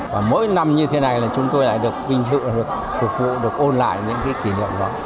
và mỗi năm như thế này là chúng tôi lại được bình dự được cổ vũ được ôn lại những cái kỷ niệm đó